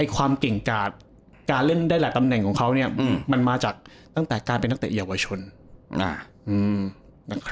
ความเก่งการเล่นได้หลายตำแหน่งของเขามันมาจากตั้งแต่นักเตศิอะหญ้าวิชยนต์